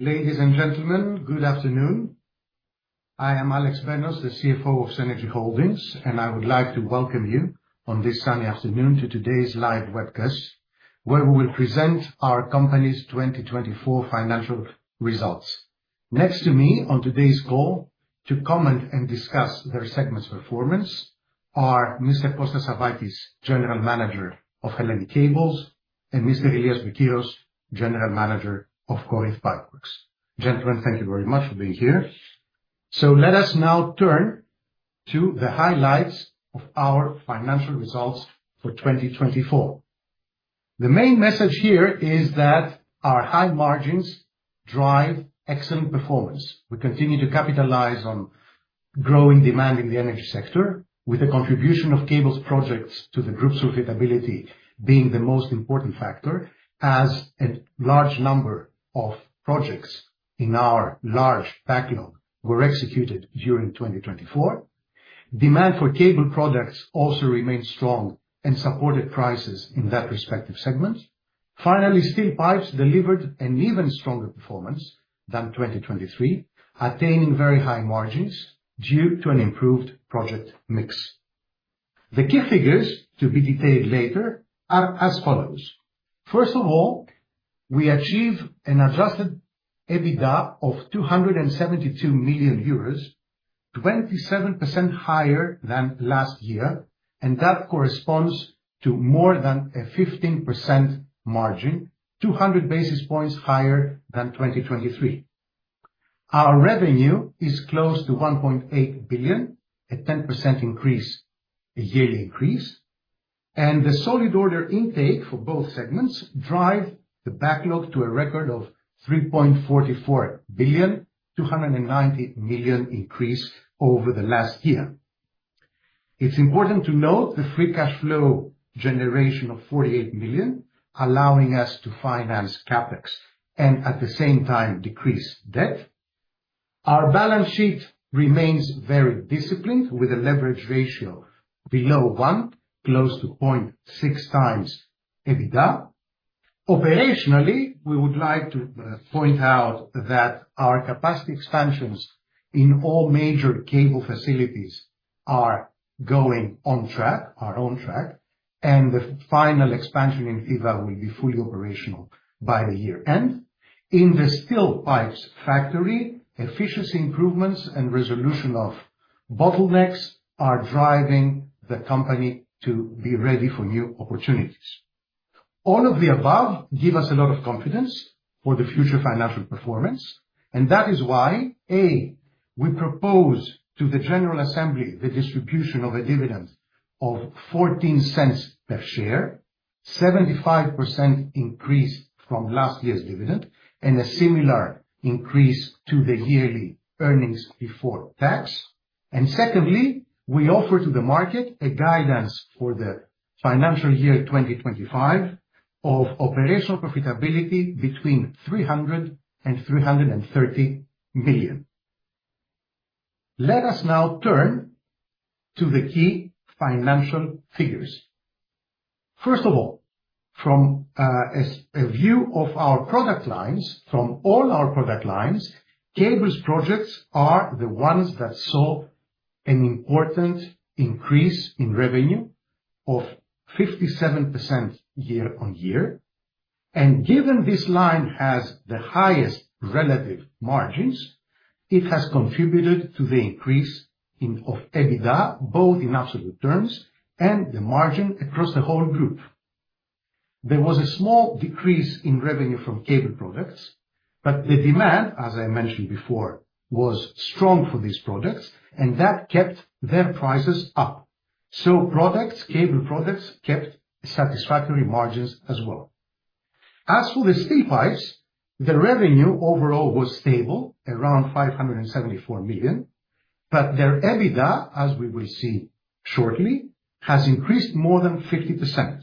Ladies and gentlemen, good afternoon. I am Alexandros Benos, the CFO of Cenergy Holdings, and I would like to welcome you on this sunny afternoon to today's live webcast, where we will present our company's 2024 financial results. Next to me on today's call to comment and discuss their segment's performance are Mr. Kostas Savvakis, General Manager of Hellenic Cables, and Mr. Ilias Bekiros, General Manager of Corinth Pipeworks. Gentlemen, thank you very much for being here. So let us now turn to the highlights of our financial results for 2024. The main message here is that our high margins drive excellent performance. We continue to capitalize on growing demand in the energy sector, with the contribution of cables projects to the group's profitability being the most important factor, as a large number of projects in our large backlog were executed during 2024. Demand for cable products also remained strong and supported prices in that respective segment. Finally, steel pipes delivered an even stronger performance than 2023, attaining very high margins due to an improved project mix. The key figures, to be detailed later, are as follows. First of all, we achieved an Adjusted EBITDA of €272 million, 27% higher than last year, and that corresponds to more than a 15% margin, 200 basis points higher than 2023. Our revenue is close to €1.8 billion, a 10% increase, a yearly increase, and the solid order intake for both segments drives the backlog to a record of €3.44 billion, a 290 million increase over the last year. It's important to note the free cash flow generation of €48 million, allowing us to finance CapEx and, at the same time, decrease debt. Our balance sheet remains very disciplined, with a leverage ratio below one, close to 0.6 times EBITDA. Operationally, we would like to point out that our capacity expansions in all major cable facilities are on track, and the final expansion in Thiva will be fully operational by the year end. In the steel pipes factory, efficiency improvements and resolution of bottlenecks are driving the company to be ready for new opportunities. All of the above gives us a lot of confidence for the future financial performance, and that is why, A, we propose to the General Assembly the distribution of a dividend of 0.14 per share, a 75% increase from last year's dividend, and a similar increase to the yearly earnings before tax, and secondly, we offer to the market a guidance for the financial year 2025 of operational profitability between 300 and 330 million. Let us now turn to the key financial figures. First of all, from a view of our product lines, from all our product lines, cables projects are the ones that saw an important increase in revenue of 57% year on year. And given this line has the highest relative margins, it has contributed to the increase in EBITDA, both in absolute terms and the margin across the whole group. There was a small decrease in revenue from cable products, but the demand, as I mentioned before, was strong for these products, and that kept their prices up. So products, cable products, kept satisfactory margins as well. As for the steel pipes, the revenue overall was stable, around 574 million, but their EBITDA, as we will see shortly, has increased more than 50%.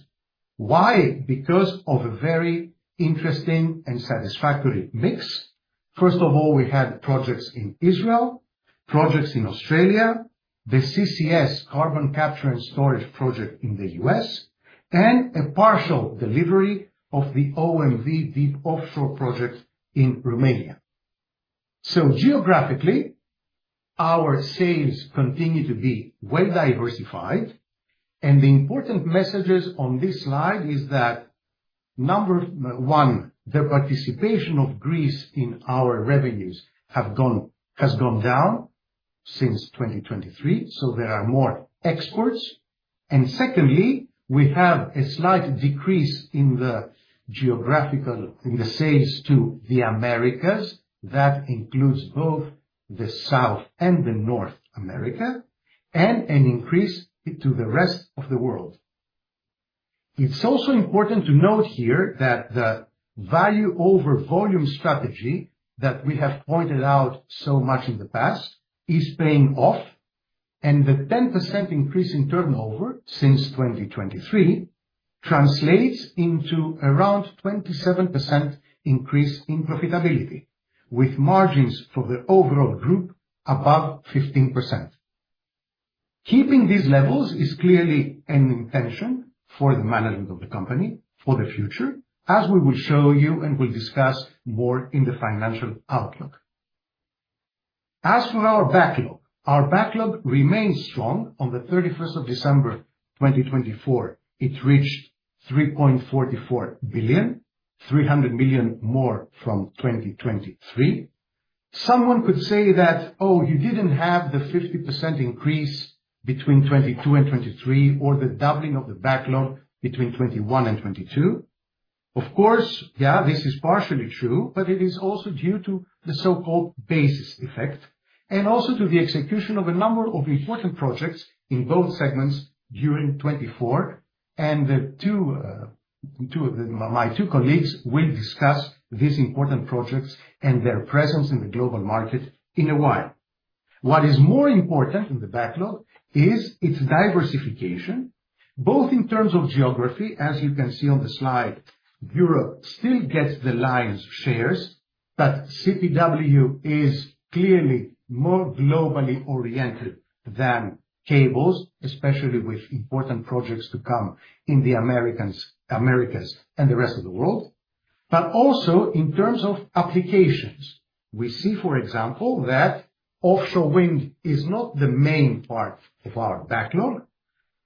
Why? Because of a very interesting and satisfactory mix. First of all, we had projects in Israel, projects in Australia, the CCS carbon capture and storage project in the U.S., and a partial delivery of the OMV deep offshore project in Romania. So geographically, our sales continue to be well diversified, and the important messages on this slide are that, number one, the participation of Greece in our revenues has gone down since 2023, so there are more exports. And secondly, we have a slight decrease in the geographical, in the sales to the Americas. That includes both the South and the North America, and an increase to the rest of the world. It's also important to note here that the value-over-volume strategy that we have pointed out so much in the past is paying off, and the 10% increase in turnover since 2023 translates into around a 27% increase in profitability, with margins for the overall group above 15%. Keeping these levels is clearly an intention for the management of the company for the future, as we will show you and will discuss more in the financial outlook. As for our backlog, our backlog remains strong. On the 31st of December 2024, it reached €3.44 billion, €300 million more from 2023. Someone could say that, oh, you didn't have the 50% increase between 2022 and 2023 or the doubling of the backlog between 2021 and 2022. Of course, yeah, this is partially true, but it is also due to the so-called base effect and also to the execution of a number of important projects in both segments during 2024, and two of my two colleagues will discuss these important projects and their presence in the global market in a while. What is more important in the backlog is its diversification, both in terms of geography. As you can see on the slide, Europe still gets the lion's share, but CPW is clearly more globally oriented than cables, especially with important projects to come in the Americas and the rest of the world. But also in terms of applications, we see, for example, that offshore wind is not the main part of our backlog,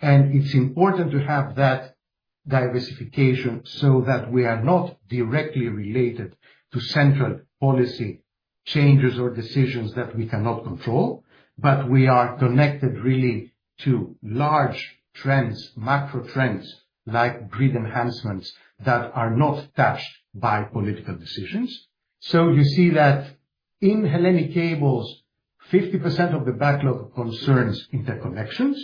and it's important to have that diversification so that we are not directly related to central policy changes or decisions that we cannot control, but we are connected really to large trends, macro trends like grid enhancements that are not touched by political decisions. So you see that in Hellenic Cables, 50% of the backlog concerns interconnections.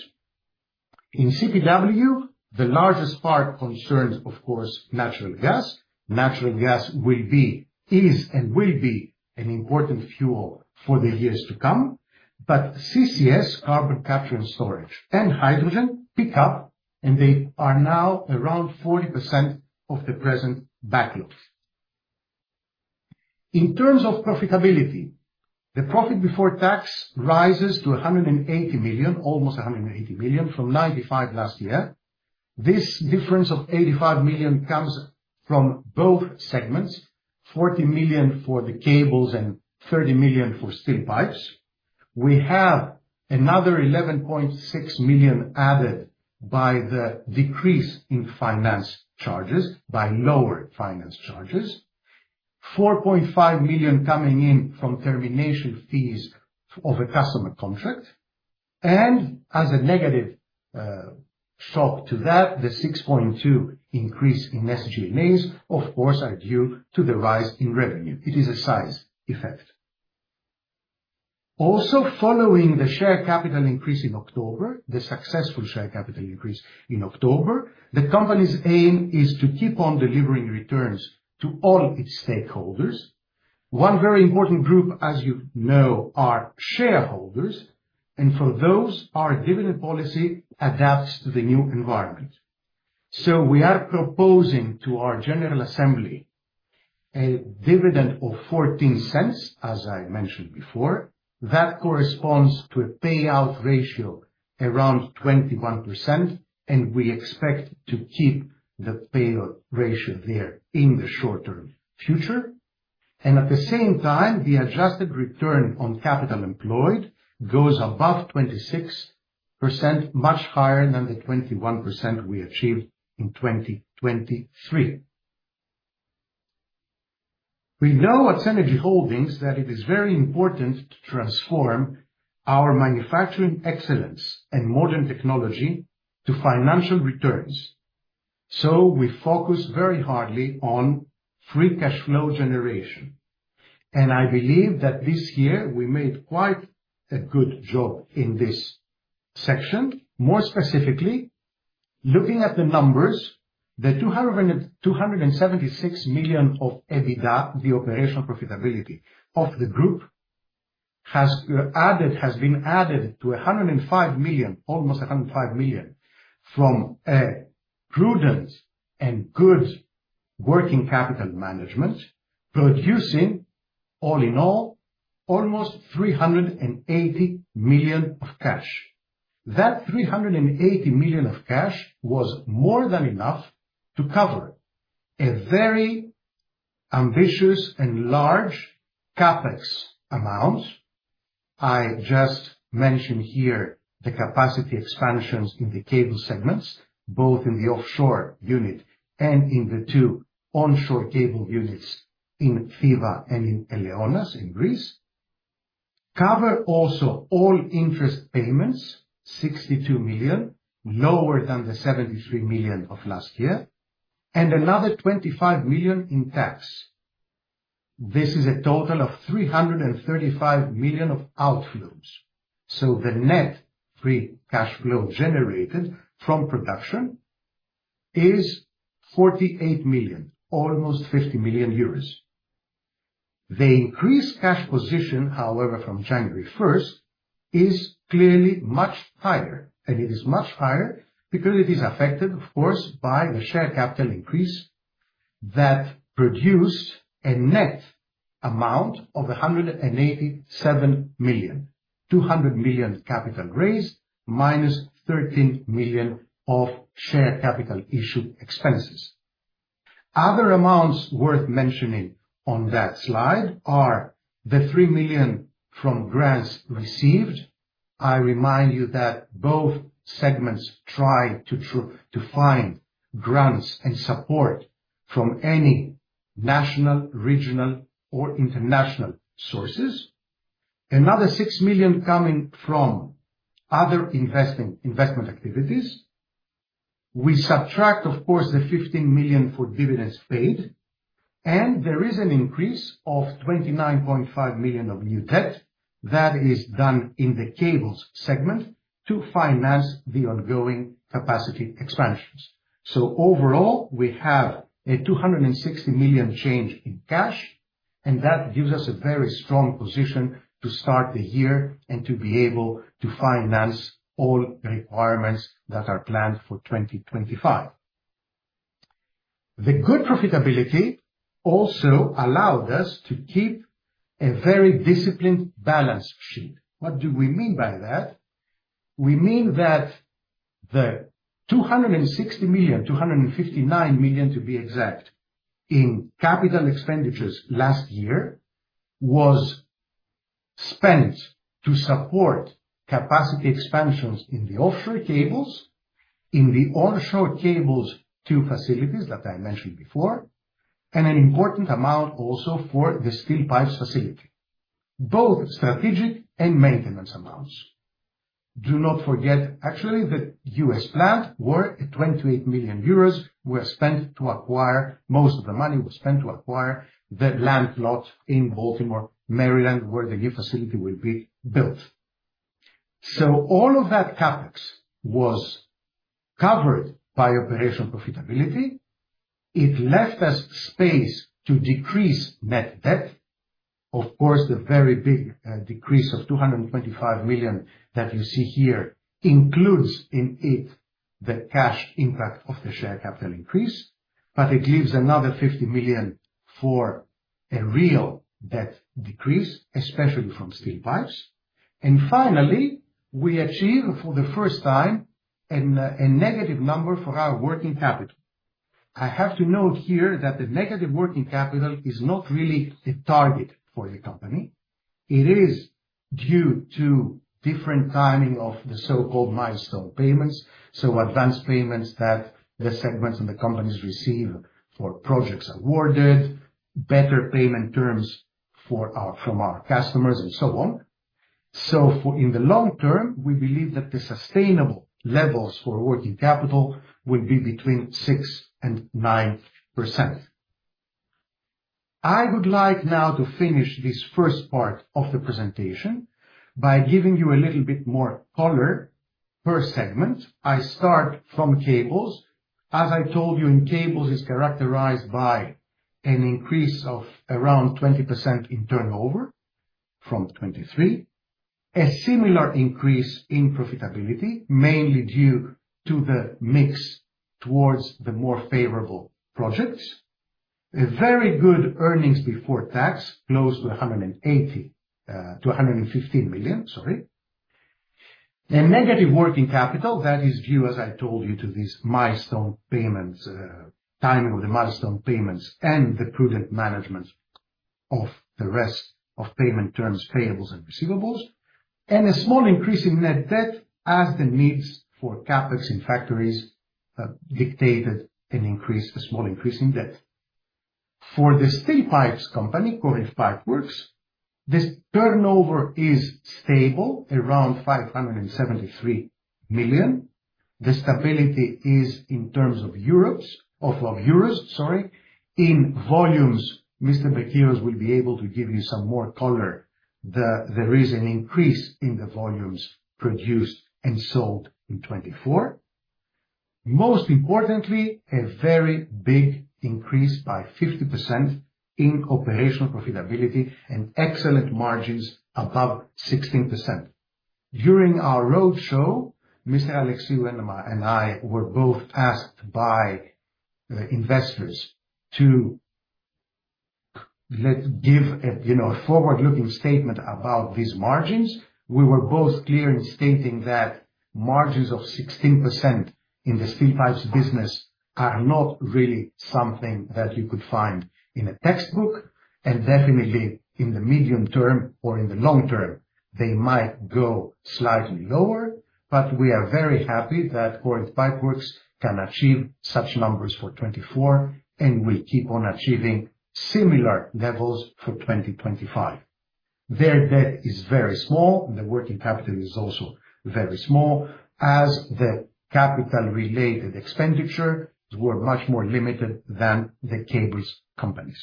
In CPW, the largest part concerns, of course, natural gas. Natural gas will be, is, and will be an important fuel for the years to come. But CCS, carbon capture and storage, and hydrogen pick up, and they are now around 40% of the present backlog. In terms of profitability, the profit before tax rises to 180 million, almost 180 million, from 95 million last year. This difference of 85 million comes from both segments, 40 million for the cables and 30 million for steel pipes. We have another 11.6 million added by the decrease in finance charges, by lower finance charges, 4.5 million coming in from termination fees of a customer contract, and as a negative shock to that, the 6.2 million increase in SG&A, of course, are due to the rise in revenue. It is a size effect. Also, following the share capital increase in October, the successful share capital increase in October, the company's aim is to keep on delivering returns to all its stakeholders. One very important group, as you know, are shareholders, and for those, our dividend policy adapts to the new environment. We are proposing to our General Assembly a dividend of 0.14, as I mentioned before, that corresponds to a payout ratio around 21%, and we expect to keep the payout ratio there in the short-term future. And at the same time, the adjusted return on capital employed goes above 26%, much higher than the 21% we achieved in 2023. We know at Cenergy Holdings that it is very important to transform our manufacturing excellence and modern technology to financial returns. So we focus very hard on free cash flow generation. And I believe that this year we made quite a good job in this section. More specifically, looking at the numbers, the 276 million of EBITDA, the operational profitability of the group, has added, has been added to 105 million, almost 105 million, from a prudent and good working capital management, producing all in all almost 380 million of cash. That 380 million of cash was more than enough to cover a very ambitious and large CapEx amount. I just mentioned here the capacity expansions in the cable segments, both in the offshore unit and in the two onshore cable units in Thiva and in Eleonas, in Greece. It covers also all interest payments, 62 million, lower than the 73 million of last year, and another 25 million in tax. This is a total of 335 million of outflows. So the net free cash flow generated from production is 48 million, almost 50 million euros. The increased cash position, however, from January 1st is clearly much higher, and it is much higher because it is affected, of course, by the share capital increase that produced a net amount of 187 million, 200 million capital raise, minus 13 million of share capital issue expenses. Other amounts worth mentioning on that slide are the three million from grants received. I remind you that both segments try to find grants and support from any national, regional, or international sources. Another six million coming from other investment activities. We subtract, of course, the 15 million for dividends paid, and there is an increase of 29.5 million of new debt that is done in the cables segment to finance the ongoing capacity expansions. So overall, we have a 260 million change in cash, and that gives us a very strong position to start the year and to be able to finance all requirements that are planned for 2025. The good profitability also allowed us to keep a very disciplined balance sheet. What do we mean by that? We mean that the 260 million, 259 million to be exact, in capital expenditures last year was spent to support capacity expansions in the offshore cables, in the onshore cables two facilities that I mentioned before, and an important amount also for the steel pipes facility, both strategic and maintenance amounts. Do not forget, actually, the U.S. plant where 28 million euros were spent to acquire. Most of the money was spent to acquire the land lot in Baltimore, Maryland, where the new facility will be built. All of that CapEx was covered by operational profitability. It left us space to decrease net debt. Of course, the very big decrease of 225 million that you see here includes in it the cash impact of the share capital increase, but it leaves another 50 million for a real debt decrease, especially from steel pipes. Finally, we achieve for the first time a negative number for our working capital. I have to note here that the negative working capital is not really a target for the company. It is due to different timing of the so-called milestone payments, so advance payments that the segments and the companies receive for projects awarded, better payment terms from our customers, and so on. In the long term, we believe that the sustainable levels for working capital will be between 6% and 9%. I would like now to finish this first part of the presentation by giving you a little bit more color per segment. I start from cables. As I told you, in cables, it's characterized by an increase of around 20% in turnover from 2023, a similar increase in profitability, mainly due to the mix towards the more favorable projects, a very good earnings before tax, close to 180 to 115 million, sorry, and negative working capital that is due, as I told you, to these milestone payments, timing of the milestone payments and the prudent management of the rest of payment terms, payables and receivables, and a small increase in net debt as the needs for CapEx in factories dictated an increase, a small increase in debt. For the steel pipes company, Corinth Pipeworks, this turnover is stable, around 573 million. The stability is in terms of euros, of euros, sorry, in volumes. Mr. Bekiros will be able to give you some more color. There is an increase in the volumes produced and sold in 2024. Most importantly, a very big increase by 50% in operational profitability and excellent margins above 16%. During our roadshow, Mr. Alexandros and I were both asked by investors to give a, you know, a forward-looking statement about these margins. We were both clear in stating that margins of 16% in the steel pipes business are not really something that you could find in a textbook, and definitely in the medium term or in the long term, they might go slightly lower. But we are very happy that Corinth Pipeworks can achieve such numbers for 2024 and will keep on achieving similar levels for 2025. Their debt is very small, and the working capital is also very small, as the capital-related expenditure were much more limited than the cables companies.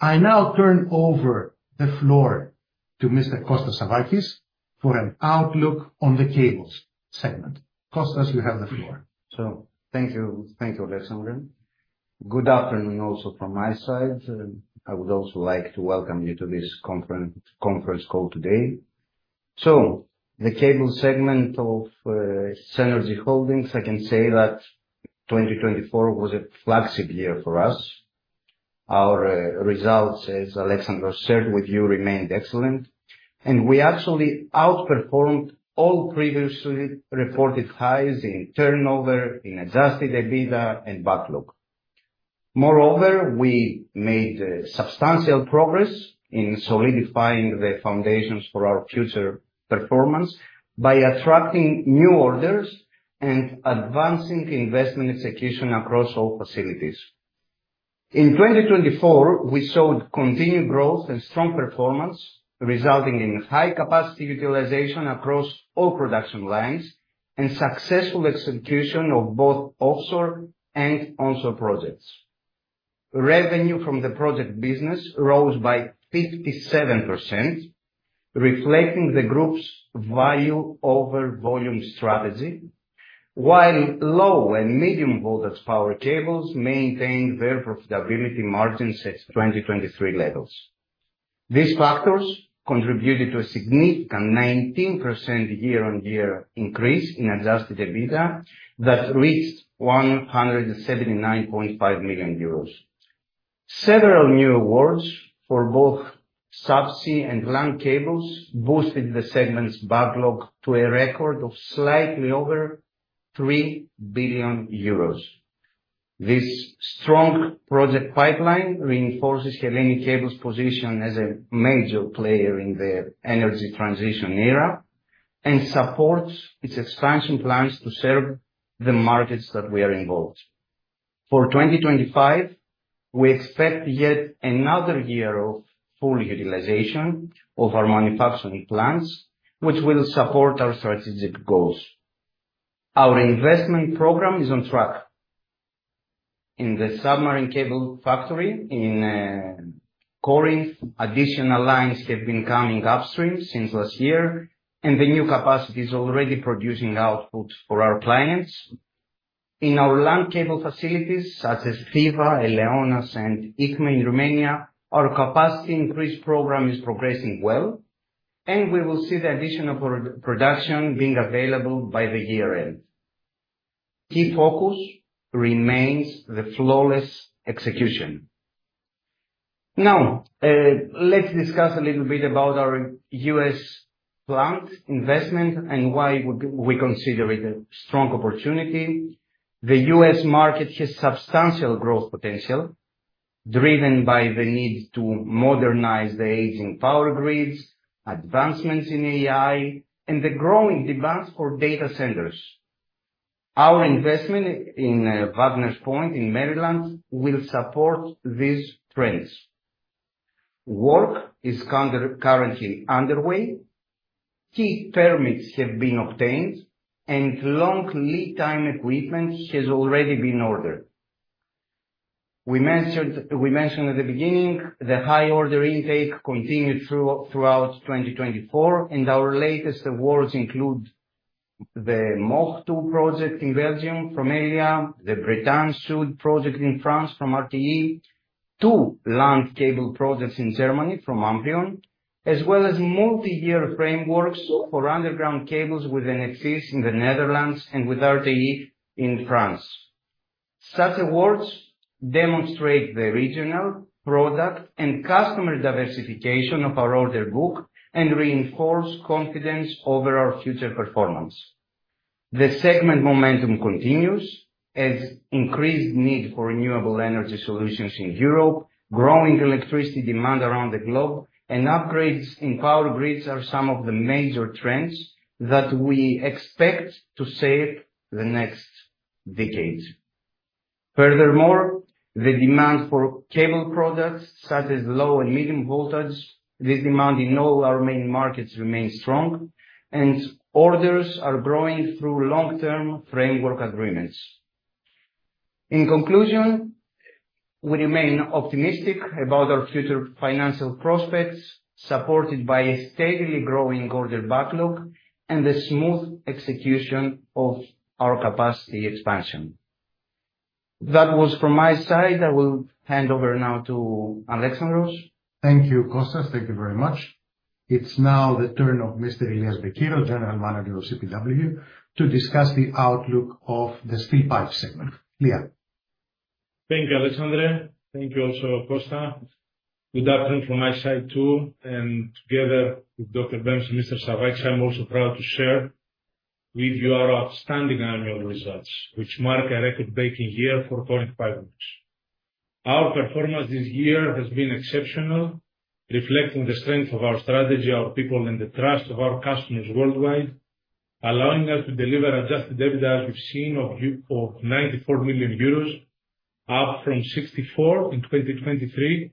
I now turn over the floor to Mr. Kostas Savvakis for an outlook on the cables segment. Kostas, you have the floor. So thank you, thank you, Alexandros. Good afternoon also from my side. I would also like to welcome you to this conference call today. So the cable segment of Cenergy Holdings, I can say that 2024 was a flagship year for us. Our results, as Alexandros shared with you, remained excellent, and we actually outperformed all previously reported highs in turnover, in adjusted EBITDA, and backlog. Moreover, we made substantial progress in solidifying the foundations for our future performance by attracting new orders and advancing investment execution across all facilities. In 2024, we saw continued growth and strong performance, resulting in high capacity utilization across all production lines and successful execution of both offshore and onshore projects. Revenue from the project business rose by 57%, reflecting the group's value-over-volume strategy, while low and medium voltage power cables maintained their profitability margins at 2023 levels. These factors contributed to a significant 19% year-on-year increase in Adjusted EBITDA that reached 179.5 million euros. Several new awards for both subsea and land cables boosted the segment's backlog to a record of slightly over 3 billion euros. This strong project pipeline reinforces Hellenic Cables's position as a major player in the energy transition era and supports its expansion plans to serve the markets that we are involved. For 2025, we expect yet another year of full utilization of our manufacturing plants, which will support our strategic goals. Our investment program is on track. In the submarine cable factory in Corinth, additional lines have been coming on stream since last year, and the new capacity is already producing output for our clients. In our land cable facilities, such as Thiva, Eleonas, and ICME in Romania, our capacity increase program is progressing well, and we will see the addition of production being available by the year end. Key focus remains the flawless execution. Now, let's discuss a little bit about our U.S. plant investment and why we consider it a strong opportunity. The U.S. market has substantial growth potential driven by the need to modernize the aging power grids, advancements in AI, and the growing demand for data centers. Our investment in Wagner's Point in Maryland will support these trends. Work is currently underway. Key permits have been obtained, and long lead time equipment has already been ordered. We mentioned at the beginning the high order intake continued throughout 2024, and our latest awards include the MOG II project in Belgium from Elia, the Bretagne Sud project in France from RTE, two land cable projects in Germany from Amprion, as well as multi-year frameworks for underground cables with Enexis in the Netherlands and with RTE in France. Such awards demonstrate the regional product and customer diversification of our order book and reinforce confidence over our future performance. The segment momentum continues as increased need for renewable energy solutions in Europe, growing electricity demand around the globe, and upgrades in power grids are some of the major trends that we expect to shape the next decade. Furthermore, the demand for cable products such as low and medium voltage, this demand in all our main markets remains strong, and orders are growing through long-term framework agreements. In conclusion, we remain optimistic about our future financial prospects supported by a steadily growing order backlog and the smooth execution of our capacity expansion. That was from my side. I will hand over now to Alexandros. Thank you, Kostas. Thank you very much. It's now the turn of Mr. Ilias Bekiros, General Manager of CPW, to discuss the outlook of the steel pipe segment. Elias. Thank you, Alexandros. Thank you also, Kostas. Good afternoon from my side too. Together with Dr. Benos and Mr. Savvakis, I'm also proud to share with you our outstanding annual results, which mark a record-breaking year for Corinth Pipeworks. Our performance this year has been exceptional, reflecting the strength of our strategy, our people, and the trust of our customers worldwide, allowing us to deliver adjusted EBITDA as we've seen of 94 million euros, up from 64 million in 2023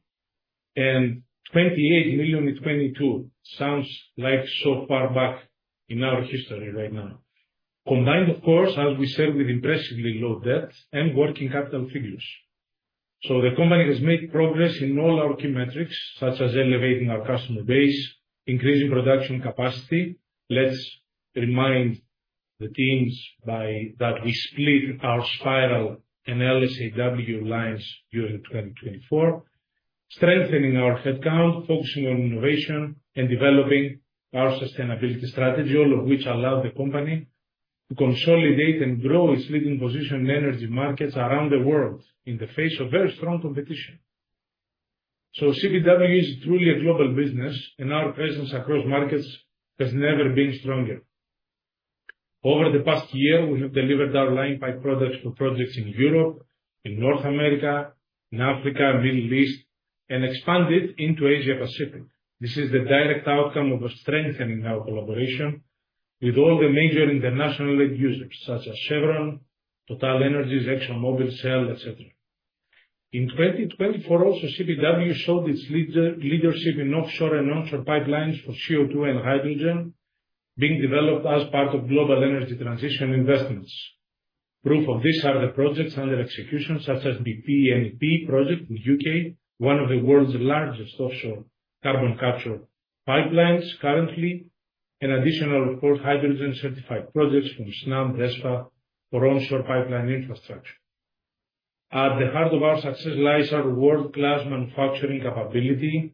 and 28 million in 2022. Sounds like so far back in our history right now. Combined, of course, as we said, with impressively low debt and working capital figures. The company has made progress in all our key metrics, such as elevating our customer base, increasing production capacity. Let's remind the teams that we split our spiral and LSAW lines during 2024, strengthening our headcount, focusing on innovation, and developing our sustainability strategy, all of which allow the company to consolidate and grow its leading position in energy markets around the world in the face of very strong competition, so CPW is truly a global business, and our presence across markets has never been stronger. Over the past year, we have delivered our line pipe products for projects in Europe, in North America, in Africa, Middle East, and expanded into Asia-Pacific. This is the direct outcome of strengthening our collaboration with all the major international end users, such as Chevron, TotalEnergies, ExxonMobil, Shell, etc. In 2024, also, CPW showed its leadership in offshore and onshore pipelines for CO2 and hydrogen being developed as part of global energy transition investments. Proof of this are the projects under execution, such as BP NEP project in the U.K., one of the world's largest offshore carbon capture pipelines currently, and additional four hydrogen certified projects from Snam, DESFA, for onshore pipeline infrastructure. At the heart of our success lies our world-class manufacturing capability.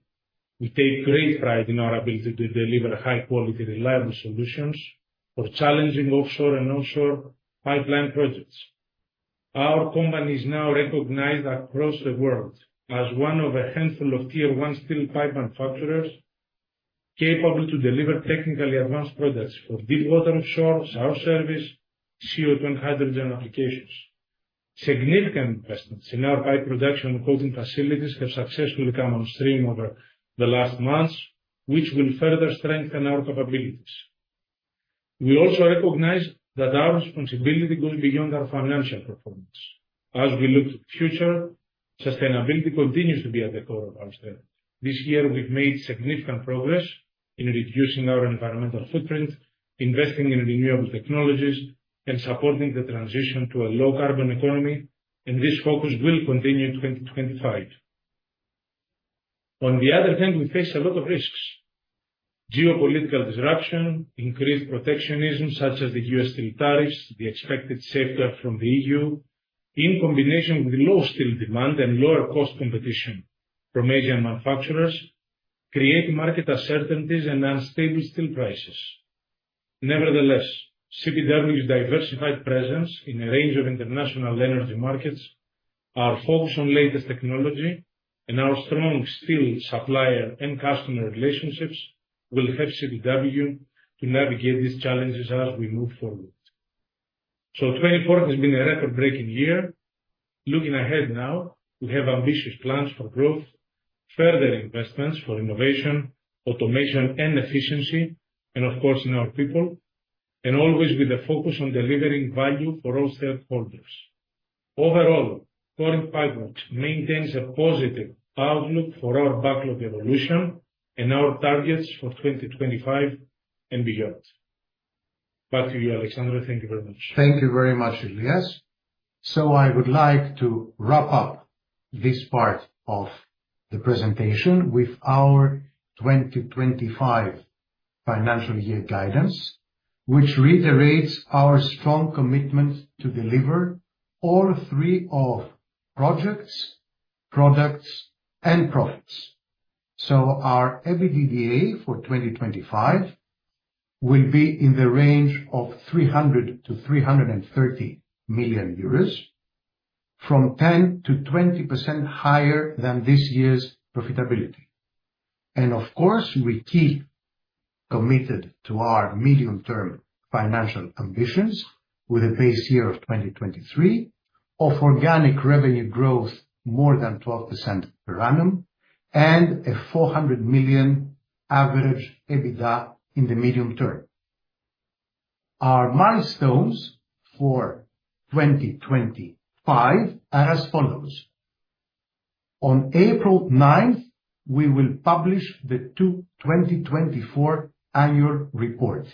We take great pride in our ability to deliver high-quality, reliable solutions for challenging offshore and onshore pipeline projects. Our company is now recognized across the world as one of a handful of tier-one steel pipe manufacturers capable to deliver technically advanced products for deep-water offshore source service, CO2, and hydrogen applications. Significant investments in our pipe production and coating facilities have successfully come on stream over the last months, which will further strengthen our capabilities. We also recognize that our responsibility goes beyond our financial performance. As we look to the future, sustainability continues to be at the core of our strategy. This year, we've made significant progress in reducing our environmental footprint, investing in renewable technologies, and supporting the transition to a low-carbon economy, and this focus will continue in 2025. On the other hand, we face a lot of risks. Geopolitical disruption, increased protectionism, such as the U.S. steel tariffs, the expected safeguard from the EU, in combination with low steel demand and lower cost competition from Asian manufacturers, create market uncertainties and unstable steel prices. Nevertheless, CPW's diversified presence in a range of international energy markets, our focus on latest technology, and our strong steel supplier and customer relationships will help CPW to navigate these challenges as we move forward, so 2024 has been a record-breaking year. Looking ahead now, we have ambitious plans for growth, further investments for innovation, automation, and efficiency, and of course, in our people, and always with a focus on delivering value for all stakeholders. Overall, Corinth Pipeworks maintains a positive outlook for our backlog evolution and our targets for 2025 and beyond. Back to you, Alexandros. Thank you very much. Thank you very much, Ilias. So I would like to wrap up this part of the presentation with our 2025 financial year guidance, which reiterates our strong commitment to deliver all three of projects, products, and profits. So our EBITDA for 2025 will be in the range of 300 million-330 million euros, from 10%-20% higher than this year's profitability. And of course, we keep committed to our medium-term financial ambitions with a base year of 2023 of organic revenue growth more than 12% per annum and a 400 million average EBITDA in the medium term. Our milestones for 2025 are as follows. On April 9th, we will publish the 2024 annual report.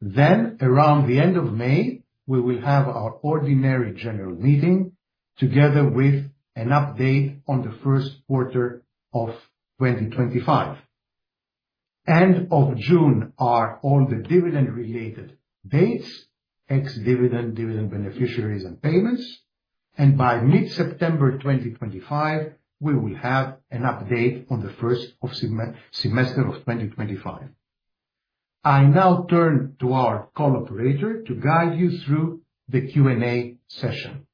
Then, around the end rsof May, we will have our ordinary general meeting together with an update on the first quarter of 2025. End of June are all the dividend-related dates, ex-dividend, dividend beneficiaries, and payments. By mid-September 2025, we will have an update on the first semester of 2025. I now turn to our operator to guide you through the Q&A session. Thanks.